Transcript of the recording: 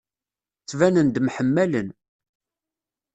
Ttbanen-d mḥemmalen.